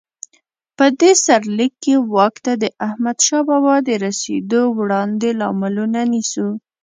په دې سرلیک کې واک ته د احمدشاه بابا د رسېدو وړاندې لاملونه نیسو.